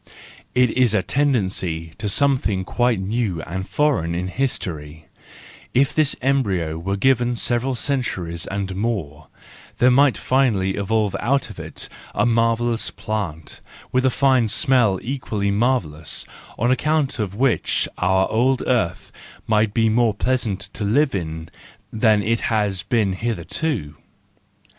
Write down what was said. It is a tendency to something quite new 264 THE JOYFUL WISDOM, IV and foreign in history: if this embryo were given several centuries and more, there might finally evolve out of it a marvellous plant, with a smell equally marvellous, on account of which our old earth might be more pleasant to live in than it has been hitherto.